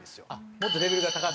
もっとレベルが高く？